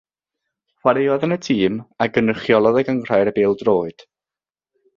Chwaraeodd yn y tîm a gynrychiolodd y Gynghrair Bêl-droed.